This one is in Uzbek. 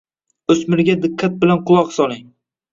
O‘smirga diqqat bilan quloq soling.